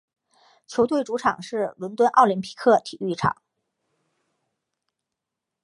球队主场是伦敦奥林匹克体育场。